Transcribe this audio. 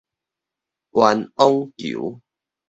冤枉球